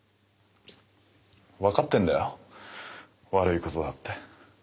わかってんだよ悪いことだって。